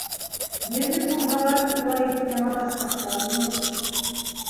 Бирер булһалар, улай итеп яманлашмаҫтар ине.